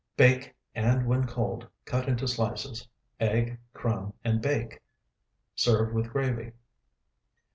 Bake, and when cold cut into slices, egg, crumb, and bake. Serve with gravy.